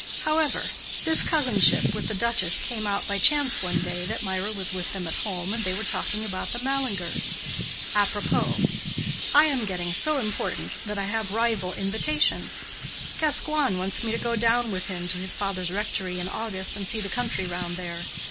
However, this cousinship with the duchess came out by chance one day that Mirah was with them at home and they were talking about the Mallingers. Apropos; I am getting so important that I have rival invitations. Gascoigne wants me to go down with him to his father's rectory in August and see the country round there.